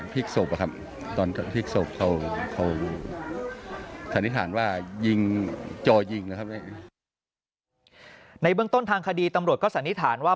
พี่ตำรวจก็สันนิษฐานว่า